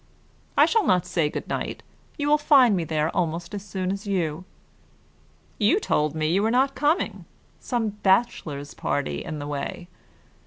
"I shall not say good night. You will find me there almost as soon as you." "You told me you were not coming. Some bachelor's party in the way."